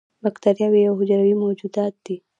بکتریاوې یو حجروي موجودات دي